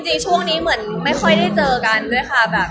จริงช่วงนี้เหมือนไม่ค่อยได้เจอกันด้วยค่ะ